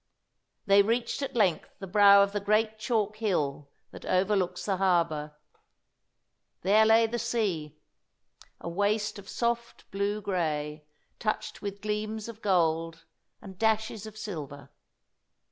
They reached at length the brow of the great chalk hill that overlooks the harbour. There lay the sea a waste of soft blue grey, touched with gleams of gold and dashes of silver.